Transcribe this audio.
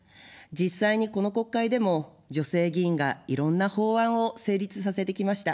実際にこの国会でも女性議員がいろんな法案を成立させてきました。